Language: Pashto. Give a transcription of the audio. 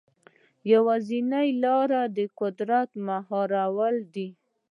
یوازینۍ لاره د قدرت مهارول دي.